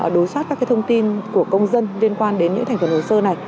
đối soát các thông tin của công dân liên quan đến những thành phần hồ sơ này